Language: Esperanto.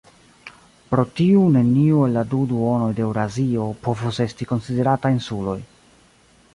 Pro tiu neniu el la du duonoj de Eŭrazio povus esti konsiderata insuloj.